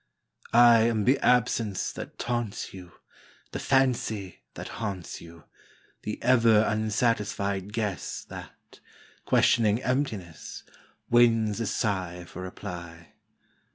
I am the absence that taunts you, The fancy that haunts you; The ever unsatisfied guess That, questioning emptiness, Wins a sigh for reply.